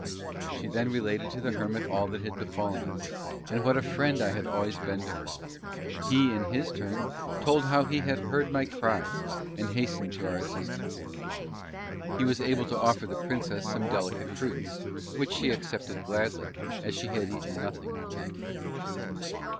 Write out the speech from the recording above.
She then related to the Hermit all that had befallen us, and what a friend I had always been to her. He in his turn told how he had heard my cries and hastened to our assistance. He was able to offer the Princess some delicate fruits, which she accepted gladly, as she had eaten nothing all day.